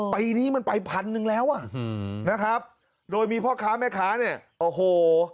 ปีนี้มันไปพันหนึ่งแล้วอ่ะนะครับโดยมีพ่อค้าแม่ค้าเนี่ยโอ้โห